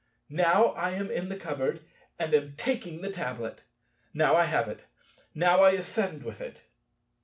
Now I am in the cupboard and am taking the tablet. Now I have it. Now I ascend with it.